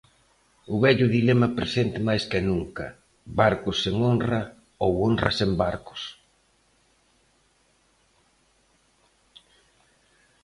O vello dilema presente máis que nunca: barcos sen honra ou honra sen barcos.